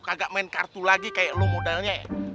kagak main kartu lagi kayak lu modalnya